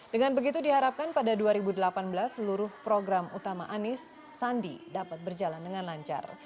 dengan begitu diharapkan pada dua ribu delapan belas seluruh program utama anis sandi dapat berjalan dengan lancar